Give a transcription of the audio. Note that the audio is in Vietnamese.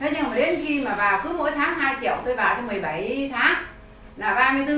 nhưng mà đến khi mà vào cứ mỗi tháng hai triệu tôi vào trong một mươi bảy tháng là ba mươi bốn